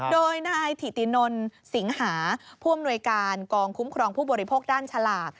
โดยนายถิตินนสิงหาผู้อำนวยการกองคุ้มครองผู้บริโภคด้านฉลาก